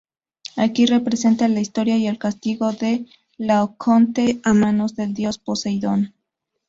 Aquí representa la historia y el castigo de Laocoonte a manos del dios Poseidón.